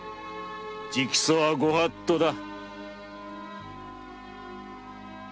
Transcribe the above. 直訴はご法度だ。